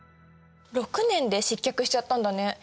６年で失脚しちゃったんだね。